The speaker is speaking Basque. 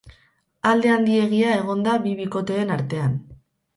Alde handiegia egon da bi bikoteen artean.